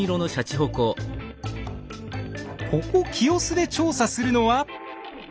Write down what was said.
ここ清須で調査するのは。